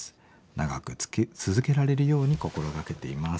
長く続けられるように心掛けています」。